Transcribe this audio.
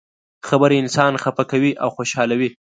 خبرې انسان خفه کوي او خوشحالوي.